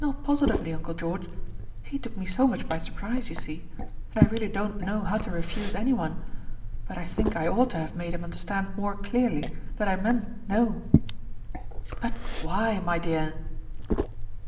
"Not positively, uncle George. He took me so much by surprise, you see; and I really don't know how to refuse any one; but I think I ought to have made him understand more clearly that I meant no." "But why, my dear?"